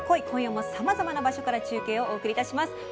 今夜もさまざまな場所から中継をお伝えします。